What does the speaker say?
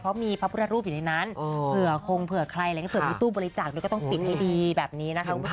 เพราะมีพระพุทธรูปอยู่ในนั้นเผื่อคงเผื่อใครอะไรอย่างนี้เผื่อมีตู้บริจาคด้วยก็ต้องปิดให้ดีแบบนี้นะคะคุณผู้ชม